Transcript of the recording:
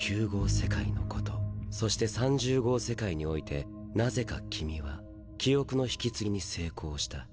世界のことそして３０号世界においてなぜか君は記憶の引き継ぎに成功した。